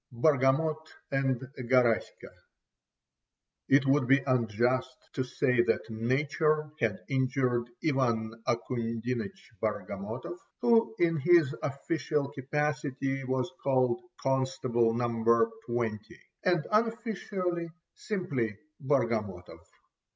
BARGAMOT AND GARASKA It would be unjust to say that Nature had injured Ivan Akindinich Bargamotov, who in his official capacity was called "Constable No. 20," and unofficially simply Bargamotov.